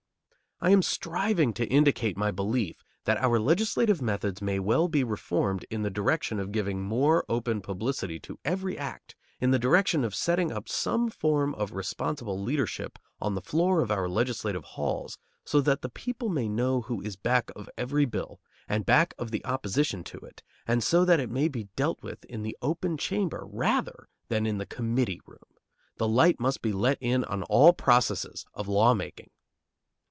I am striving to indicate my belief that our legislative methods may well be reformed in the direction of giving more open publicity to every act, in the direction of setting up some form of responsible leadership on the floor of our legislative halls so that the people may know who is back of every bill and back of the opposition to it, and so that it may be dealt with in the open chamber rather than in the committee room. The light must be let in on all processes of law making.